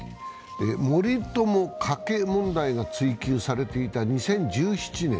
森友・加計問題が追及されていた２０１７年。